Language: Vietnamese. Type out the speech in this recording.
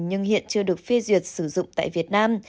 nhưng hiện chưa được phê duyệt sử dụng tại việt nam